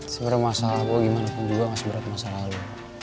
sebenernya masalah gue gimana pun juga gak seberat masalah lo